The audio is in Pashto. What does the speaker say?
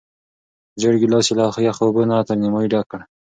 زېړ ګیلاس یې له یخو اوبو نه تر نیمايي ډک کړ.